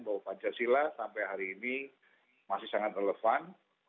bahwa pancasila sampai hari ini masih sangat relevan